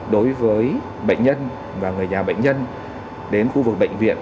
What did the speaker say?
đối với bệnh nhân và người nhà bệnh nhân đến khu vực bệnh viện